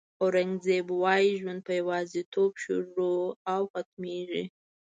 اورنګزېب وایي ژوند په یوازېتوب شروع او ختمېږي.